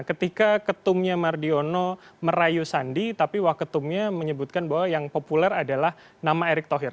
ketika ketumnya mardiono merayu sandi tapi waketumnya menyebutkan bahwa yang populer adalah nama erick thohir